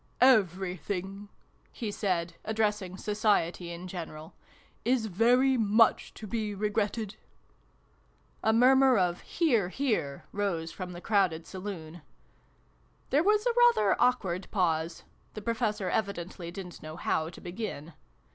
"Everything" he said, addressing Society in general, " is very much to be regretted !" A murmur of " Hear, hear !" rose from the crowded Saloon. There was a rather awkward pause :' the Professor evidently didn't know how to begin.